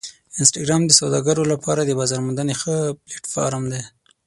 انسټاګرام د سوداګرو لپاره د بازار موندنې ښه پلیټفارم دی.